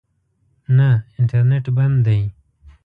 نه، انټرنېټ بند دی